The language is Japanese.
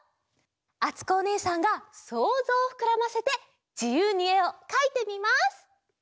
あつこおねえさんがそうぞうをふくらませてじゆうにえをかいてみます！